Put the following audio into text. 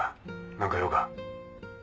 何か用か？